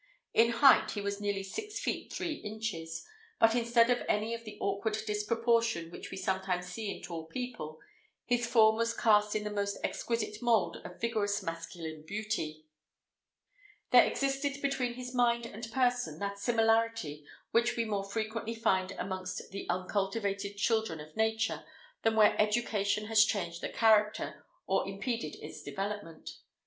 In height he was nearly six feet three inches; but instead of any of the awkward disproportion which we sometimes see in tall people, his form was cast in the most exquisite mould of vigorous masculine beauty. There existed between his mind and person that similarity which we more frequently find amongst the uncultivated children of nature, than where education has changed the character, or impeded its development.